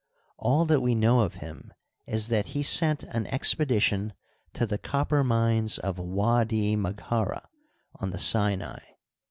All that we know of him is that he sent an expedition to the copper mines of W^di Maghara on the Sinai.